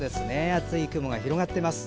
厚い雲が広がっています。